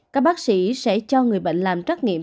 các bác sĩ sẽ cho người bệnh làm trắc nghiệm